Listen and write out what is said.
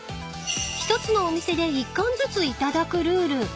［一つのお店で１貫ずつ頂くルール］